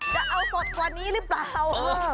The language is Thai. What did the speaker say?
จะเอาสดกว่านี้หรือเปล่า